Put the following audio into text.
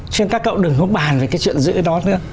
cho nên các cậu đừng có bàn về cái chuyện giữ đó nữa